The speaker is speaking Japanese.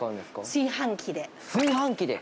炊飯器で？